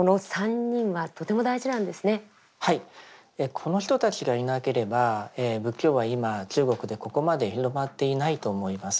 この人たちがいなければ仏教は今中国でここまで広まっていないと思います。